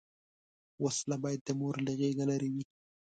وسله باید د مور له غېږه لرې وي